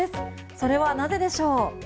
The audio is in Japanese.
それはなぜでしょう。